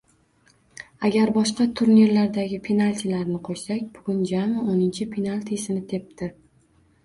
Agar boshqa turnirlardagi penaltilarni qo‘shsak, bugun jami o‘ninchi penaltisini tepdi.